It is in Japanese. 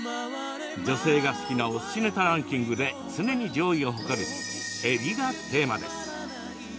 女性が好きなおすしネタランキングで常に上位を誇るえびがテーマです。